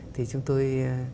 thì chúng tôi